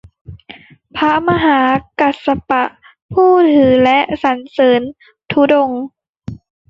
พระมหากัสสปะ ผู้ถือและสรรเสิรญธุดงค์